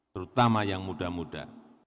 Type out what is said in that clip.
terutama yang muda muda